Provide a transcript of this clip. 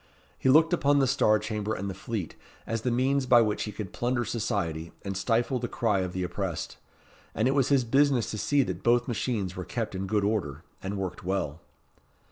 He looked upon the Star Chamber and the Fleet as the means by which he could plunder society and stifle the cry of the oppressed; and it was his business to see that both machines were kept in good order, and worked well.